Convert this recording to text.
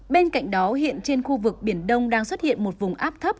bên cạnh đó hiện trên khu vực biển đông đang xuất hiện một vùng áp thấp